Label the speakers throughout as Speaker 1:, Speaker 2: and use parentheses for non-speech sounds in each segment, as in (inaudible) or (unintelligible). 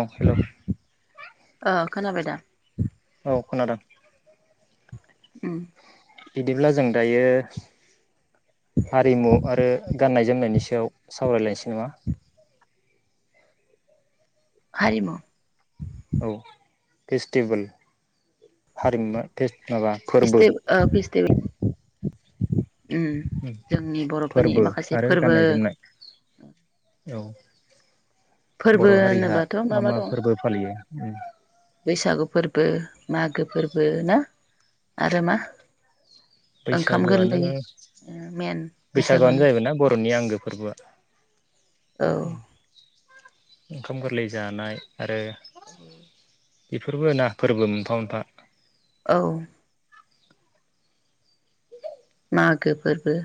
Speaker 1: औ हेल' औ
Speaker 2: ओ खोनाबाय दा?
Speaker 1: औ खोनादों।
Speaker 2: उम।
Speaker 1: बिदिब्ला जों दायो हारिमु आरो गाननाय जोमनायनि सायाव सावरायलायनोसै नामा?
Speaker 2: हारिमु।
Speaker 1: औ फेस्टिभेल हारिमुआ फेस्त माबा फोरबो।
Speaker 2: (unintelligible) ओम जोंनि बर'फोरनि
Speaker 1: फोरबो
Speaker 2: माखासे
Speaker 1: आरो
Speaker 2: फोरबो
Speaker 1: गाननाय जोमनाय औ।
Speaker 2: फोरबो
Speaker 1: बर' हारिहा
Speaker 2: होनोबाथ'
Speaker 1: मा मा
Speaker 2: दं
Speaker 1: फोरबो फालियो? (inaudible)
Speaker 2: बैसागु फोरबो मागो फोरबो ना आरो मा? ओंखाम
Speaker 1: बैसागोआनो
Speaker 2: गोरलै मेन बैसागुन
Speaker 1: बैसागोआनो जाहैबाय ना बर'नि आंगो फोरबोआ।
Speaker 2: औ
Speaker 1: ओंखाम गोरलै जानाय आरो।
Speaker 2: औ।
Speaker 1: बेफोरबो ना फोरबो मोनफा मोनफा
Speaker 2: औ। मागो फोरबो।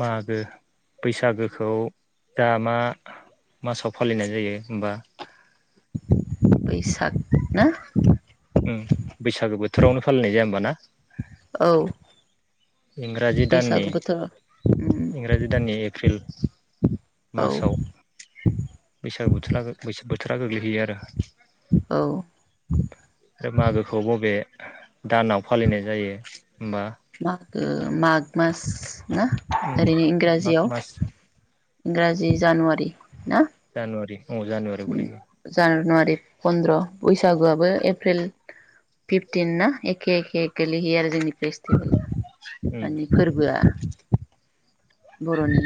Speaker 1: मागो बैसागोखौ दा मा मासाव फालिनाय जायो होमबा
Speaker 2: बैसाग ना
Speaker 1: उम बैसागो बोथोरावनो फालिनाय जाया होमबा ना?
Speaker 2: औ
Speaker 1: इंराजि दाननि
Speaker 2: बैसागु बोथोर उम
Speaker 1: इंराजि दाननि एप्रिल
Speaker 2: औ
Speaker 1: मासाव बैसागु बोथ्ला बैस बोथोरा गोग्लैहैयो आरो।
Speaker 2: औ।
Speaker 1: मागोखौ बबे दानाव फालिनाय जायो होमबा?
Speaker 2: मागो माघ मास। ना
Speaker 1: उम
Speaker 2: ओरैनो
Speaker 1: माग
Speaker 2: इंराजियाव
Speaker 1: मास
Speaker 2: इंराजि जानुवारि ना?
Speaker 1: जानुवारि। औ जानुवारि गोलैगोन
Speaker 2: नुवारि फन्द्र बैसागुआबो एप्रिल फिफटिन ना एखे एखे गोलैहैयो आरो जोंनि फेस्टिभेला।
Speaker 1: उम
Speaker 2: मानि फोरबोआ। बर'नि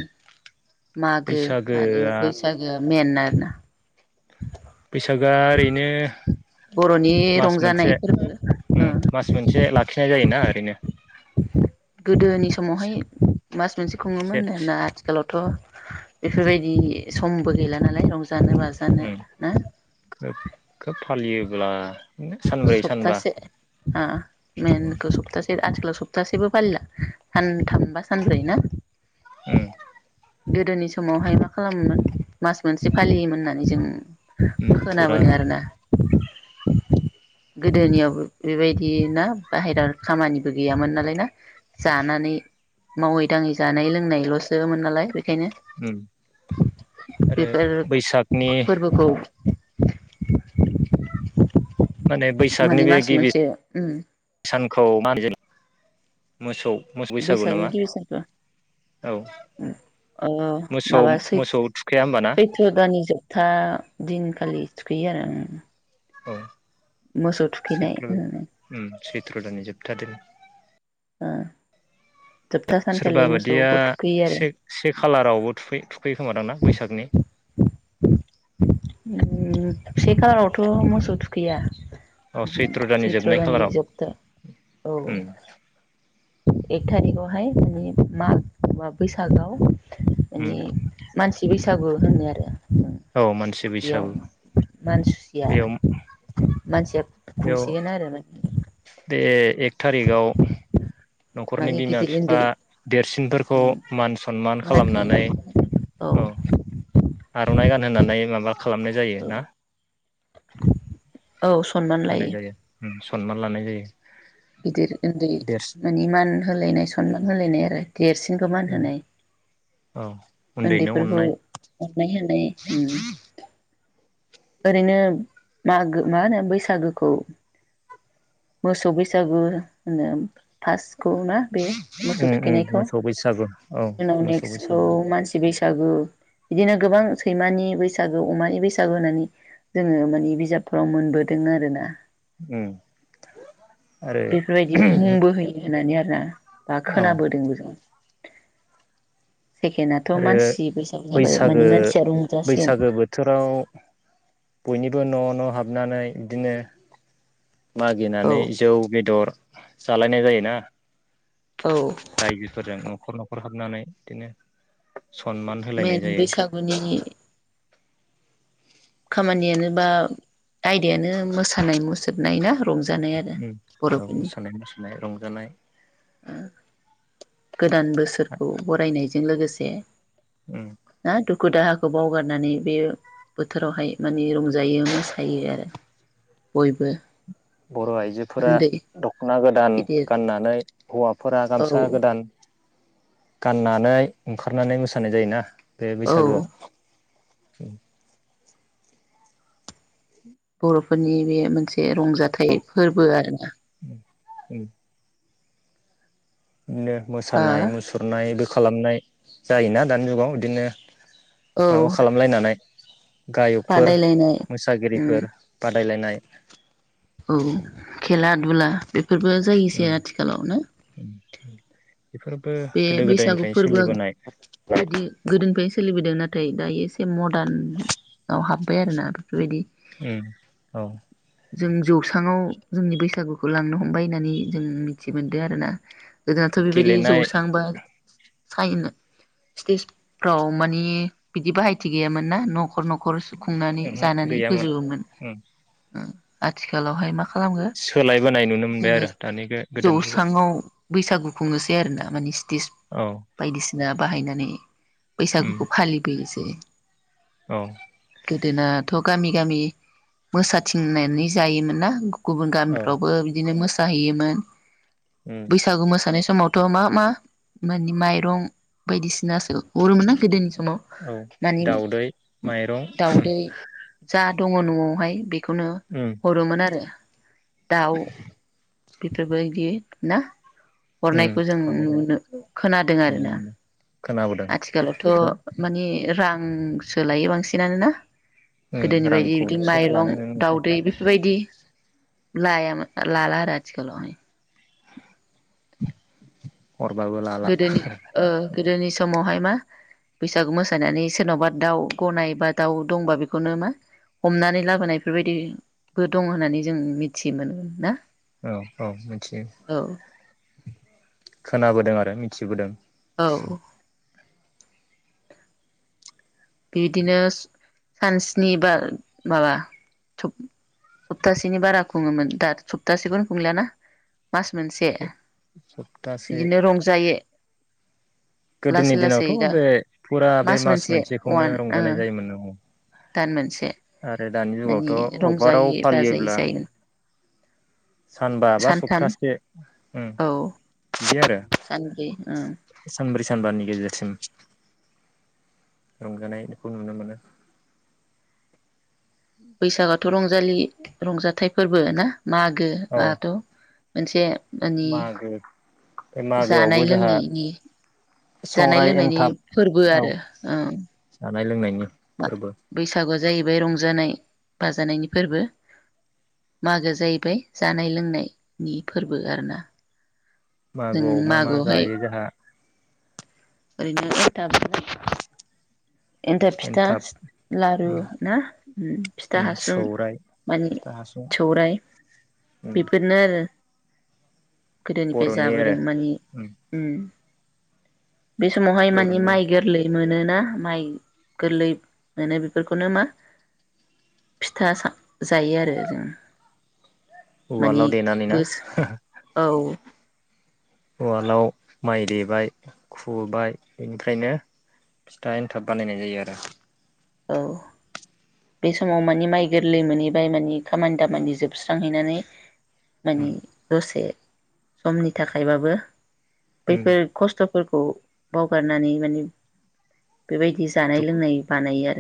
Speaker 2: मागो आरो
Speaker 1: बैसागोआ
Speaker 2: बैसागोआ मेन आरोना।
Speaker 1: बैसागआ ओरैनो
Speaker 2: बर'नि
Speaker 1: मास
Speaker 2: रंजानाय
Speaker 1: मोनसे
Speaker 2: फोरबो ओ
Speaker 1: उम मास मोनसे ला मिथिनाय जायोना ओरैनो।
Speaker 2: गोदोनि समावहाय मास मोनसे
Speaker 1: से
Speaker 2: खुङोमोन (unintelligible) आथिखालाव थ बेफोरबायदि समबो गैला नालाय रं जानो बाजानो
Speaker 1: उम
Speaker 2: ना?
Speaker 1: खोब खोब फालियोब्ला (unintelligible) सानब्रै सानबा
Speaker 2: आ (unintelligible)
Speaker 1: उम
Speaker 2: आथिखालाव सप्तासेबो फालिला सानथामबा सानब्रै ना?
Speaker 1: उम
Speaker 2: गोदोनि समावहाय मा खालामोमोन मास मोनसे फालियोमोन होननानै जों
Speaker 1: उम फुरा
Speaker 2: खोनाबोदों आरोना। गोदोनियाबो बेबायदि ना बाहेरा खामानिबो गैयामोन नालाय ना जानानै मावै दाङै जानाय लोंनायलसोमोन नालाय। बेखायनो
Speaker 1: उम आरो
Speaker 2: बेफोर
Speaker 1: बैसागनि
Speaker 2: फोरबोखौ (unintelligible)
Speaker 1: माने बैसागनि
Speaker 2: माने
Speaker 1: बे
Speaker 2: मास
Speaker 1: गिबि
Speaker 2: मोनसे उम
Speaker 1: सान खौ (unintelligible) मोसौ मोसौ बैसागु
Speaker 2: बैसागनि
Speaker 1: नामा
Speaker 2: गिबि सानखौ
Speaker 1: औ
Speaker 2: अ
Speaker 1: मोसौ
Speaker 2: माबा सै
Speaker 1: मोसौ थुखाया होमबाना
Speaker 2: सैत्र दाननि जोबथा दिनखालि थुखैयो आरो
Speaker 1: औ
Speaker 2: मोसौ थुखैनाय (unintelligible)
Speaker 1: त्र दाननि जोबथा दिन।
Speaker 2: अ
Speaker 1: सोरबा बादिया
Speaker 2: आरो
Speaker 1: से से खालारावबो थुखै थु खैयो खोमा दांना बैसागनि?
Speaker 2: उम से खालारावथ' मोसौ थुखैया।
Speaker 1: औ सैथ्र दाननि
Speaker 2: सैत्र
Speaker 1: जोबनाय
Speaker 2: दाननि
Speaker 1: खालाराव
Speaker 2: जोबथा औ।
Speaker 1: उम
Speaker 2: एक थारिकआवहाय मे माह बा बैसागोआव
Speaker 1: उम
Speaker 2: माने मानसि बैसा गु होनो आरो।
Speaker 1: औ मानसि
Speaker 2: बेयाव
Speaker 1: बैसागु। बेयाव
Speaker 2: (unintelligible) खुंसिगोन आरो
Speaker 1: ए एक थारिखाव न'खरनि
Speaker 2: माने
Speaker 1: बिमा
Speaker 2: गिदिर
Speaker 1: बिफा
Speaker 2: उन्दै
Speaker 1: देरस फिनफोरखौ मान सनमान
Speaker 2: मा
Speaker 1: खालामनानै
Speaker 2: होनो औ
Speaker 1: आर'नाइ गान होनानानै माबा खालामनाय जायो
Speaker 2: औ
Speaker 1: ना
Speaker 2: औ सनमान
Speaker 1: होनाय
Speaker 2: लायो
Speaker 1: जायो। सनमान लानाय जायो।
Speaker 2: गिदिर उन्दै
Speaker 1: देरसिन
Speaker 2: मानि मान होलायनाय सनमान होलायनाया देरसिनखौ मान होनाय।
Speaker 1: औ उन्दैनो
Speaker 2: उन्दैफोरखौ
Speaker 1: अननाय
Speaker 2: अनाय होन (unintelligible) ओरैनो मागो मा होनो बैसागोखौ मोसौ बैसागु होनो। फार्स्टखौ ना बे मोसौ थुखैनायखौ
Speaker 1: मोसौ बैसागु औ
Speaker 2: इनि उनाव
Speaker 1: मोसौ
Speaker 2: नेक्सखौ
Speaker 1: बैसागु
Speaker 2: मानसि बैसाग बैसागु बिदिनो गोबां सैमानि बैसागो अमानि बैसागु होननानै जोंङो माने बिजाबफोराव मोनबोदों आरो ना।
Speaker 1: उम।
Speaker 2: बेफोरबायदि मुंबो होयो होननानै आरो। रां बा
Speaker 1: औ
Speaker 2: खोनाबोदोंबो जों। सेकेणडआथ'
Speaker 1: आरो
Speaker 2: मानसि बैसागु जाबाय माने
Speaker 1: बैसागो
Speaker 2: मानसिया रंजासिन
Speaker 1: बैसागो बोथोराव बयनिबो न' न' हाब हाबन्नानै इदिनो
Speaker 2: औ
Speaker 1: मागिनानै जौ बेदर जालायनाय जायोना
Speaker 2: औ
Speaker 1: रायजोफोरजों न'खर न'खर हर हाबनानै बिदिनो सनमान होलायनाय
Speaker 2: मेन
Speaker 1: जायो
Speaker 2: बैसागुनि खामानियानो बा आयदायानो मोसानाय मुसुरनाय ना रंजानाय आरो
Speaker 1: औ
Speaker 2: बर'फोरनि
Speaker 1: मोसानाय मुसुरानाय रंजानाय
Speaker 2: (inaudible) गोदान बोसोरखौ बरायनाय बेजों लोगोसे
Speaker 1: उम
Speaker 2: ना दुखु दाहाखौ बावगारनानै बे बोथोरावहाय माने रंजायो मोसायो आरो बयबो
Speaker 1: बर' आइजोफोरा
Speaker 2: उन्दै
Speaker 1: दख'ना गोदान
Speaker 2: गिदिर
Speaker 1: गाननानै हौवाफोरा
Speaker 2: औ
Speaker 1: गामसा गोदान गाननानै ओंखारनानै मोसानाय जायोना बे
Speaker 2: औ
Speaker 1: बैसागुआव (inaudible)
Speaker 2: बर'फोरनि बे मोन मोनसे रंजाथाइ फोरबो आरोना
Speaker 1: उ बिदिनो
Speaker 2: ओ
Speaker 1: मोसानाय मुसुरनाय खालामनाय जायोना दानि जुगाव बिदिनो
Speaker 2: औ
Speaker 1: माबा खालामलायनानै गायकफोर
Speaker 2: बादायलायनाय उम
Speaker 1: मोसागिरिफोर ब‌ बादायलायनाय
Speaker 2: औ खेला दुला बेफोरबो
Speaker 1: उम
Speaker 2: जायोसै आथिखालावनो
Speaker 1: (inaudible)
Speaker 2: बे
Speaker 1: गोदो
Speaker 2: बैसागु
Speaker 1: गोदायनिफ्रायनो
Speaker 2: फोरबोआ
Speaker 1: सोलिबोनाय
Speaker 2: बिदि गोदोनिफ्रायनो सोलिबोदों नाथाय‌ दायो एसे मदार्नआव हाब्बाय आरोना बेफोरबायदि‌
Speaker 1: ए औ
Speaker 2: जों जौ बिबाङाव जोंनि बैसागु‌ बेखौ लांनो हमबाय होननानै जों मिथि मोनदों आरोना गोदोथ' बेबायदि जौ
Speaker 1: गेलेनाय
Speaker 2: साइनो स्टेजफ्राव मानि बिदि बाहायथि गैयामोन ना न'खर न'ख‌ नखर खुंनानै
Speaker 1: ओहो
Speaker 2: जानानै
Speaker 1: गैयामोन
Speaker 2: फोजोबोमोन
Speaker 1: उम
Speaker 2: आथिखालावहाय मा मा खालामो
Speaker 1: सोलायबोनाय नुनो मोनबाय
Speaker 2: जोङो
Speaker 1: आरो दानि गोदान जुगाव
Speaker 2: जौस्राङाव बैसागु खुङो (unintelligible) (unintelligible) (unintelligible)
Speaker 1: औ
Speaker 2: बायदिसिना बाहायनानै
Speaker 1: उम
Speaker 2: बैसागुखौ फालिबोयोसै
Speaker 1: औ
Speaker 2: (inaudible) गोदोनाथ गामि गामि मोसाथिंनानै जायोमोन ना गुबुन
Speaker 1: औ
Speaker 2: गामिफ्रावबो बिदिनो मोसा जाहैयोमोन
Speaker 1: उम
Speaker 2: बैसागु मोसानाय सम समावथ' मा मा मानि माइरं बायदिसिनासो हरोमोन आ गोदोनि समाव‌
Speaker 1: औ
Speaker 2: मानें
Speaker 1: दाउदै माइरं
Speaker 2: दाउदै जा दङ नआवहाय बे बेखौनो
Speaker 1: उम
Speaker 2: हरोमोन आरो दाउ बेफोरबायदि ना
Speaker 1: उम
Speaker 2: हरनायखौ जों
Speaker 1: हरनाय जायो
Speaker 2: नुनो खोनादों
Speaker 1: नुनो
Speaker 2: आरोना
Speaker 1: मोनो खोनाबोदों जों
Speaker 2: आथिखालावथ' माने रांसो लायो बांसिनानोना
Speaker 1: उम
Speaker 2: गोदोनि बायदि बिदि
Speaker 1: रांखौल'सो
Speaker 2: माइरं
Speaker 1: लानाय नुनो मोनसै
Speaker 2: दाउदै बेफोरबायदि लाया लाला आरो आथिखालावहाय
Speaker 1: हरबाबो लाला
Speaker 2: गोदोनि ओ गोदोनि समावहाय मा बैसागु मोसानानै सोरनावबा दाउ गनाय बा दाउ दंबा बेखौनो मा हमनानै लाबोनाय बेफोरबायदिबो दं होननानै जों मिथियोमोन ना
Speaker 1: औ औ मिथियो
Speaker 2: औ
Speaker 1: खोनाबोदों आरो मिथिबोदों
Speaker 2: औ बिदिनो सानस्नि बा माबा सफ-सप्तासेनि बारा खुङोमोन दा सप्तासेखौनो खुंलियाना मास मोनसे
Speaker 1: सप्तासे
Speaker 2: बिदिनो रंजायो
Speaker 1: गोदोनि
Speaker 2: लासै
Speaker 1: दिनावथ'
Speaker 2: लासै दा
Speaker 1: बे फुरा बे मास मोनसे खौनो रंजानाय जायोमोनो औ
Speaker 2: दान मोनसे
Speaker 1: आरो दानि जुगावथ'
Speaker 2: मानि
Speaker 1: अबाराव
Speaker 2: रंजायै बाजायै
Speaker 1: फालियोब्ला
Speaker 2: जायो
Speaker 1: सानबा बा
Speaker 2: सानथाम
Speaker 1: सप्तासे ओ
Speaker 2: औ
Speaker 1: बिदि आरो
Speaker 2: सानब्रै ओं
Speaker 1: सानब्रै स सानबानि गेजेरसिम रंजानायखौ नुनो मोनो।
Speaker 2: बैसागुआथ' रंजालि रंजाथाइ फोरबो ना? मागो
Speaker 1: औ
Speaker 2: आथ' मोनसे मानि
Speaker 1: मागो बे मागोआवबो
Speaker 2: जानाय
Speaker 1: जोंहा
Speaker 2: लोंनायनि जानाय
Speaker 1: सौराय
Speaker 2: लोंनायनि
Speaker 1: एनथाब
Speaker 2: फोरबो आरो ओं
Speaker 1: नाय लोंनायनि फोरबो
Speaker 2: बैसागुआ ज जाहैबाय रंजानाय बाजानायनि फोरबो मागो जाहैबाय जानाय लोंनायनि फोरबो आरोना जों
Speaker 1: मागोआव मा मा
Speaker 2: मागोआवहाय
Speaker 1: जायो जोंहा
Speaker 2: ओरैनो एनथाब (unintelligible) एन्थाब फिथा
Speaker 1: एनथाब
Speaker 2: लारु ना उम फिथा हासुं
Speaker 1: सौराइ
Speaker 2: माने
Speaker 1: फिथा हासुं
Speaker 2: सौराय
Speaker 1: उम
Speaker 2: बेफोरनो आरो गोदोनिफ्राय
Speaker 1: बर'नि
Speaker 2: जाबोदों
Speaker 1: आरो
Speaker 2: मानि उम बे समावहाय मानि
Speaker 1: बर'नि
Speaker 2: माइ गोरलै मोनोना माइ गोरलै मोनो बेफोरखौनो मा फिथा सा जायो आरो जों मानि
Speaker 1: उवालाव देनानै ना
Speaker 2: बोस
Speaker 1: हा हा
Speaker 2: औ
Speaker 1: उवालाव माइ देबाय खुबाय बेनिफ्रायनो फिथा एन्थाब बानायनाय जायो आरो
Speaker 2: औ बे समाव मानि माइ गोरलै मोनहैबाय मानि खामानि दामानि जोबस्रांहैनानै माने
Speaker 1: उम
Speaker 2: दसे समनि थाखायबाबो
Speaker 1: उम
Speaker 2: बैफोर खस्थ' फोरखौ बावगारनानै माने बेबायदि जानाय
Speaker 1: दुखु
Speaker 2: लोंनाय बानायो आर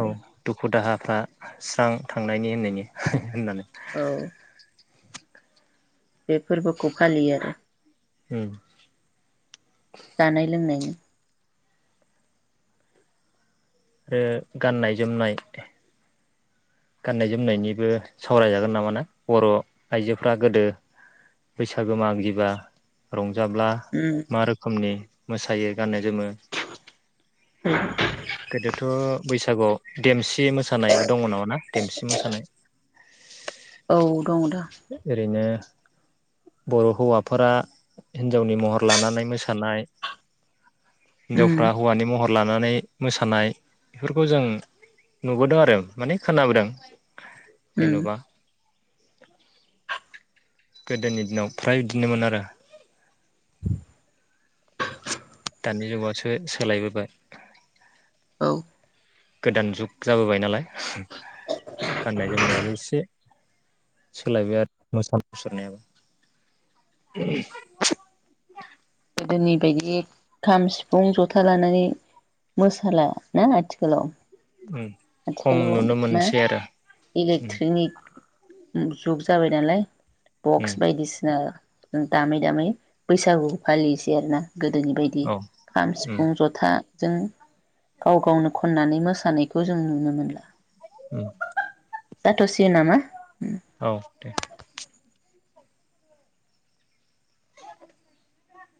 Speaker 1: औ दुखु दाहाफ्रा स्रां थांनायनि होननायनि हाहा होननानै
Speaker 2: औ बे फोरबोखौ फालियो आरो।
Speaker 1: उम
Speaker 2: जानाय लोंनायनि
Speaker 1: आरो गाननाय-जोमनाय गाननाय-जोमनायनिबो सावरायजागोन नामा ना बर' आइजोफ्रा गोदो बैसागो मागिबा रं जाब्ला
Speaker 2: उम
Speaker 1: मा रोखोमनि मोसायो गान्नाय जोमो गोदोथ' बैसागुआव देमसि मोसानाय दङ नामा ना? देमसि मोसानाय।
Speaker 2: औ दङ दा।
Speaker 1: ओरैनो बर' हौवाफोरा हिन्जावनि महर लानानै मोसानाय
Speaker 2: उम
Speaker 1: हिनजावफ्रा हौवानि महर लानानै मोसानाय बेफोरखौ जों नुबोदों आरो माने खोनाबोदों। (inaudible)
Speaker 2: उम
Speaker 1: जेन'बा गोदोनि दिनाव फ्राय बिदिनोमोन आरो। दानि जुगावसो सोलायबोबाय।
Speaker 2: औ
Speaker 1: गोदान जुग जाबोबाय नालाय गाननाय-जोमनायाबो एसे सोलायबाय आरो मोसानाय मुसुरनायाबो।
Speaker 2: गोदोनि बायदि खाम, सिफुं, जथा, लानानै मोसाला ना आथिखालाव।
Speaker 1: खम
Speaker 2: आथिखालाव
Speaker 1: नुनो
Speaker 2: मा
Speaker 1: मोनसै आरो
Speaker 2: ओम जुग जाबाय नालाय बक्स
Speaker 1: उम
Speaker 2: बायदिसिना दामै दामै बैसागु फालियैसै आरोना गोदोनि बायदि
Speaker 1: औ
Speaker 2: खाम,
Speaker 1: उम
Speaker 2: सिफुं, जथा जों गाव गावनो खननानै मोसा नायखौ जों नुनो मोनला।
Speaker 1: उम
Speaker 2: जाथ'सिगोन नामा?
Speaker 1: औ दे।